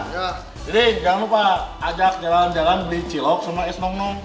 jadi jangan lupa ajak jalan jalan beli cilok sama ismong nong